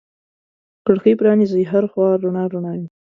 کړکۍ پرانیزې هر خوا رڼا رڼا وي